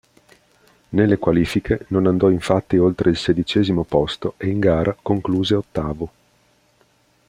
Nelle qualifiche non andò infatti oltre il sedicesimo posto e in gara concluse ottavo.